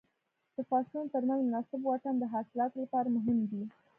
د فصلونو تر منځ مناسب واټن د حاصلاتو لپاره مهم دی.